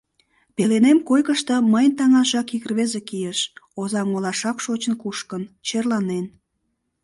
Пеленем койкышто мыйын таҥашак ик рвезе кийыш, Озаҥ олашак шочын-кушкын, черланен.